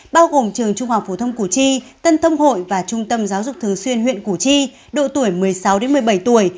bao gồm trường trung học phổ thông củ chi tân thông hội và trung tâm giáo dục thường xuyên huyện củ chi độ tuổi một mươi sáu một mươi bảy tuổi